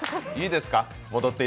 いいですか？